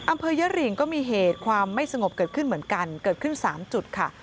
อำเภอยะริงก็มีเหตุความไม่สงบเกิดขึ้นเหมือนกันเกิดขึ้น๓จุดค่ะ